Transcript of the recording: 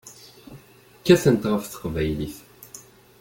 Kkatent ɣef teqbaylit.